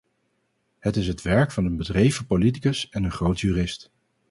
Het is het werk van een bedreven politicus en een groot jurist.